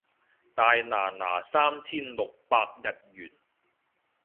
大拿拿三千六百日圓